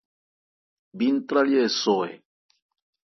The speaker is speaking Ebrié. Bí ntrályɛ́ ɛ sɔ ɛ ?